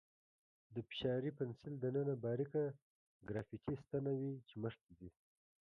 د فشاري پنسل دننه باریکه ګرافیتي ستنه وي چې مخکې ځي.